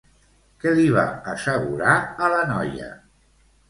Què li va assegurar a la noia?